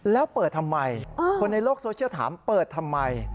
แล้วเปิดทำไมคนในโลกโซเชียลถามเปิดทำไม